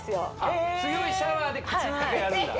ええ強いシャワーで口の中やるんだはい